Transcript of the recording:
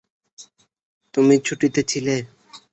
তুমি ছুটিতে ছিলে?